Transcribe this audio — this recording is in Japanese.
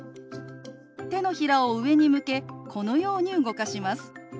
手のひらを上に向けこのように動かします。